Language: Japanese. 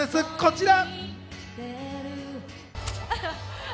こちら。